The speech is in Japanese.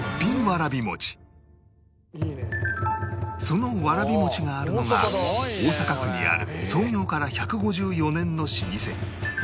そのわらび餅があるのが大阪府にある創業から１５４年の老舗